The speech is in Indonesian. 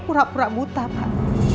pura pura buta pak